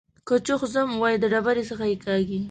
که چوخ ځم وايي د ډبرۍ څخه يې کاږي.